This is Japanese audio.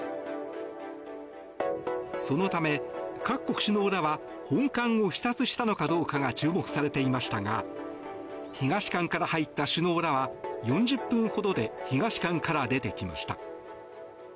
そのため、各国首脳らは本館を視察したのかどうかが注目されていましたが東館から入った首脳らは４０分ほどで東館から出てきました。